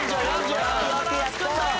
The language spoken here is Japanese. やったー！